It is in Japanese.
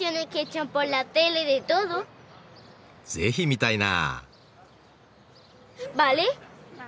ぜひ見たいな。